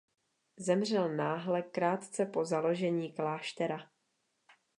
Zemřel náhle krátce po založení kláštera.